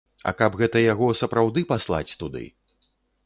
А каб гэта яго сапраўды паслаць туды.